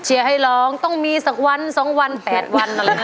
เชียให้ร้องต้องมีซักวันซ้องวัน๘วันอะไรอย่างนั้นนะคะ